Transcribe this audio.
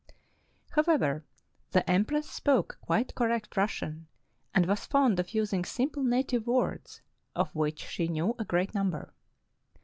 However, the empress spoke quite correct Russian, and was fond of using simple native words, of which she knew a great number.